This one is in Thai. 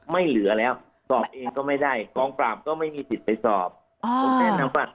ไม่เหลือแล้วสอบเองก็ไม่ได้กองปราบก็ไม่มีสิทธิ์ไปสอบ